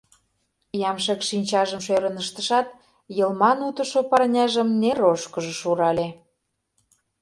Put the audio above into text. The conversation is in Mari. Ямшык шинчажым шӧрын ыштышат, йылман утышо парняжым неррожышкыжо шурале.